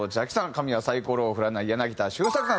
神はサイコロを振らない柳田周作さん。